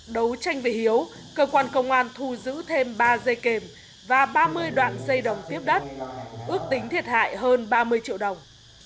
đấu tranh với hiếu cơ quan công an thu giữ thêm ba dây kềm và ba mươi đoạn dây đồng tiếp đất ước tính thiệt hại hơn ba mươi triệu đồng